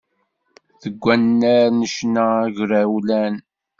Deg wannar n ccna agrawlan.